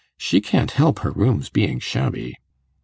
She can't help her rooms being shabby.